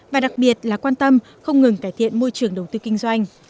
và đặc biệt là quan tâm không ngừng cải thiện môi trường đầu tư kinh doanh